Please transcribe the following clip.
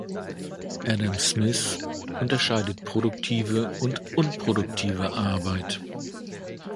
Adam Smith unterscheidet produktive und unproduktive Arbeit.